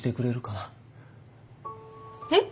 えっ？